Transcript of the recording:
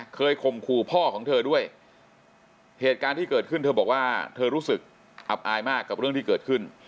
ข่มขู่พ่อของเธอด้วยเหตุการณ์ที่เกิดขึ้นเธอบอกว่าเธอรู้สึกอับอายมากกับเรื่องที่เกิดขึ้น